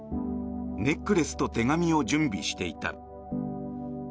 ネックレスと手紙を準備していた。